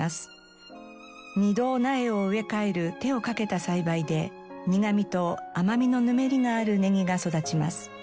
２度苗を植え替える手をかけた栽培で苦みと甘みのぬめりがあるネギが育ちます。